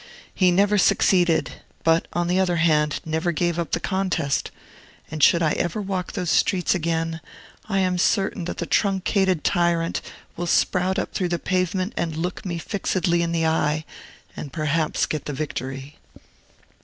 He never succeeded, but, on the other hand, never gave up the contest; and should I ever walk those streets again, I am certain that the truncated tyrant will sprout up through the pavement and look me fixedly in the eye, and perhaps get the victory.